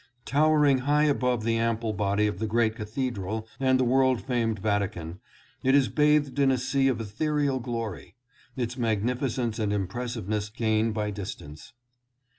Towering high above the ample body of the great cathedral and the world famed Vatican, it is bathed in a sea of ethereal glory. Its magnificence and impressiveness gain by distance.